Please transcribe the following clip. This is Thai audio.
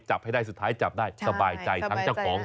และที่สำคัญมันบุกเข้าไปในหอพักหญิง